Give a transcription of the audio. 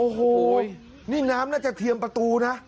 โอ้โหนี่น้ำน่าจะเทียมประตูนะ